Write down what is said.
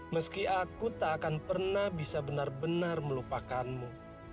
meski aku tak akan pernah bisa benar benar melupakanmu